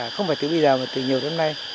không phải từ bây giờ mà từ nhiều năm nay